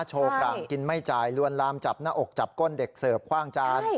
โชว์กลางกินไม่จ่ายลวนลามจับหน้าอกจับก้นเด็กเสิร์ฟคว่างจาน